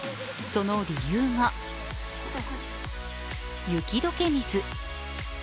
その理由は、雪解け水。